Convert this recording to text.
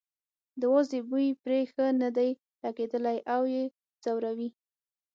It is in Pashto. د وازدې بوی پرې ښه نه دی لګېدلی او یې ځوروي.